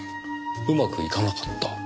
うまくいかなかった？